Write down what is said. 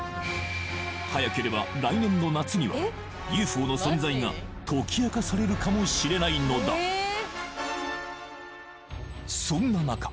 早ければ来年の夏にはＵＦＯの存在が解き明かされるかもしれないのだそんななか